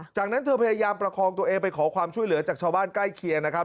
จากนั้นเธอพยายามประคองตัวเองไปขอความช่วยเหลือจากชาวบ้านใกล้เคียงนะครับ